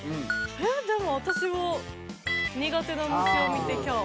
えっでも私は「苦手な虫を見てきゃー」。